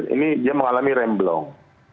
dia sudah mengalami remblong